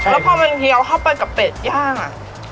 แล้วพอมันเฮียวเข้าไปกับเป็ดย่าง